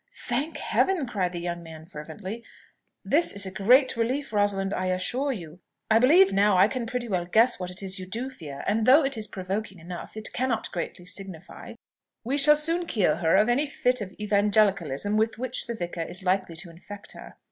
"Thank Heaven!" cried the young man fervently. "This is a great relief, Rosalind, I assure you. I believe now I can pretty well guess what it is you do fear; and though it is provoking enough, it cannot greatly signify. We shall soon cure her of any fit of evangelicalism with which the vicar is likely to infect her."